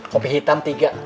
kopi hitam tiga